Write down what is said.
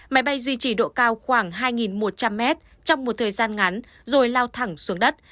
máy bay duy trì độ cao khoảng hai một trăm linh mét trong một thời gian ngắn rồi lao thẳng xuống đất